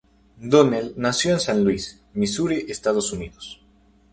Donnell nació en San Luis, Misuri, Estados Unidos.